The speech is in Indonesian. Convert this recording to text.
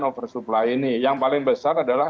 oversupply ini yang paling besar adalah